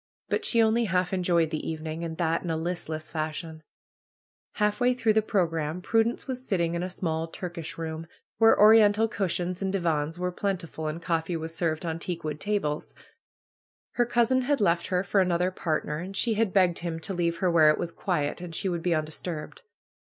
But she only half enjoyed the evening, and that in a listless fashion. PRUE'S GARDENER 21S Half way through the program Prudence was sitting in a small Turkish room, where Oriental cushions and divans were plentiful and coffee was served on teak wood tables. Her cousin had left her for another part ner and she had begged him to leave her where it was quiet and she would be undisturbed.